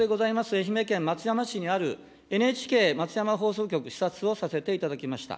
愛媛県松山市にあるＮＨＫ松山放送局、視察をさせていただきました。